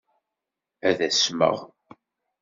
Ad asmeɣ.